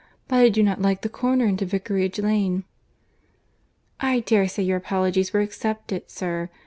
But I do not like the corner into Vicarage Lane." "I dare say your apologies were accepted, sir. Mr.